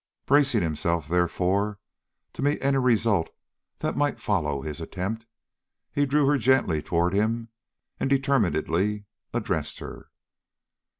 Bracing himself, therefore, to meet any result that might follow his attempt, he drew her gently toward him and determinedly addressed her.